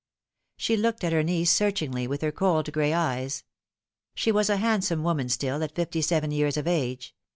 She looked at her niece searchingly with her cold gray eyes. She was a handsome woman still, at fifty seven years of age.